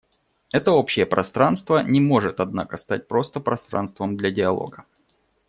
Это общее пространство не может, однако, стать просто пространством для диалога.